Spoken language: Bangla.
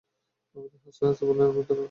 হাসতে হাসতে বললেন, আপনার ধারণা সঠিক নয়।